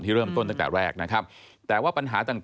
ที่เริ่มต้นตั้งแต่แรกนะครับ